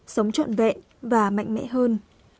sống trọn vẹn và mạnh mẽ hơn